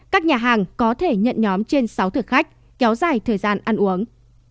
các nhà hàng có thể nhận nhóm trên sáu thực khách kéo dài thời gian ăn uống